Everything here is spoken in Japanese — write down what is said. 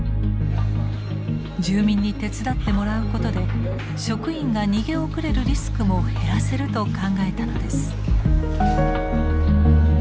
住民に手伝ってもらうことで職員が逃げ遅れるリスクも減らせると考えたのです。